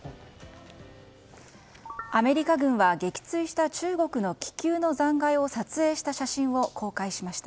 アメリカ軍は撃墜した中国の気球を撮影した写真を公開しました。